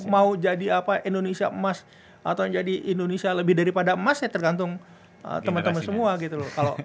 mau jadi apa indonesia emas atau jadi indonesia lebih daripada emasnya tergantung teman teman semua gitu loh